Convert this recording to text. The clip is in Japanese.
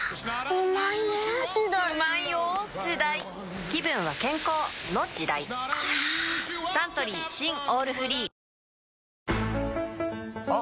ぷはぁサントリー新「オールフリー」あ！